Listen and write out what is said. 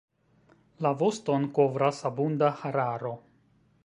La voston kovras abunda hararo.